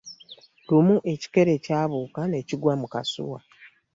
Lumu ekikere kyabuuka ne kigwa mu kasuwa.